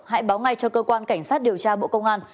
hãy báo ngay cho cơ quan cảnh sát điều tra bộ công an